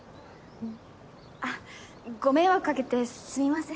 あっご迷惑かけてすみません。